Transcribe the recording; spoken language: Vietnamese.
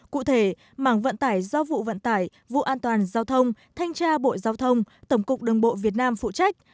cụ thể mảng vận tải do vụ vận tải vụ an toàn giao thông thanh tra bộ giao thông tổng cục đường bộ việt nam phụ trách